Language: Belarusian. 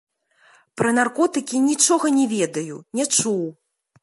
Пра наркотыкі нічога не ведаю, не чуў.